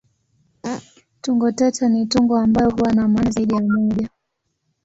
Tungo tata ni tungo ambayo huwa na maana zaidi ya moja.